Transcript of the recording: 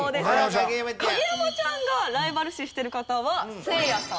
影山ちゃんがライバル視してる方はせいやさん。